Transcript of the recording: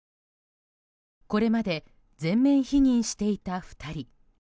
これまで全面否認していた２人。